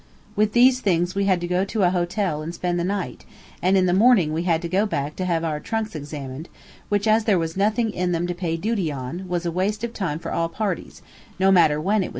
With these things we had to go to a hotel and spend the night, and in the morning we had to go back to have our trunks examined, which, as there was nothing in them to pay duty on, was waste time for all parties, no matter when it was done.